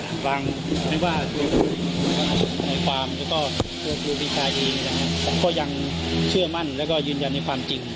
ทางฟังไม่ว่าในความก็ยืนยันในความจริง